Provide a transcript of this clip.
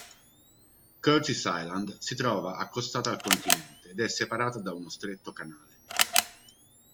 Curtis Island si trova accostata al continente ed è separata da uno stretto canale.